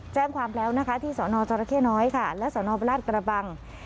แจ้งความแล้วที่สวนจรเข้น้อยและสวนบรรลาศกระบัง